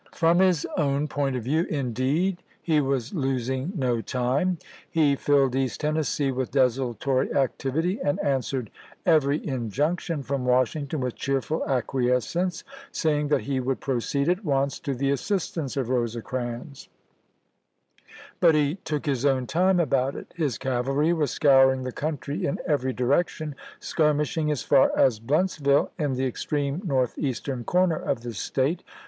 From his own point of view, indeed, he was losing no time. He filled East Tennessee with desultory activity, and answered every injunction from Washington with cheerful acquiescence, saying that he would proceed at once to the assistance of Rosecrans ; but he took his own time about it; his cavalry was scouring the country in every direction, skirmishing as far as Blountsville in the extreme northeastern corner of the State.